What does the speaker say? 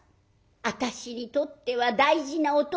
私にとっては大事なおと